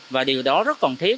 và điều đó rất cần thiết